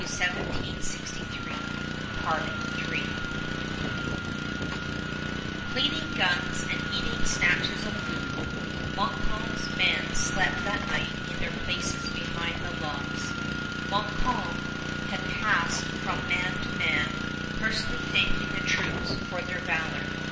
[Illustration: THE COUNTRY ROUND TICONDEROGA] Cleaning guns and eating snatches of food, Montcalm's men slept that night in their places behind the logs. Montcalm had passed from man to man, personally thanking the troops for their valor.